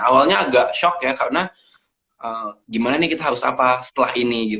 awalnya agak shock ya karena gimana nih kita harus apa setelah ini